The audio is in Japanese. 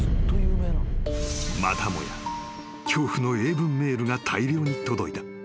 ［またもや恐怖の英文メールが大量に届いた］